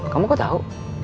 kamu kok tau